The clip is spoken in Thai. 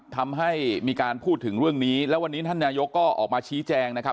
ทำให้มีการพูดถึงเรื่องนี้แล้ววันนี้ท่านนายกก็ออกมาชี้แจงนะครับ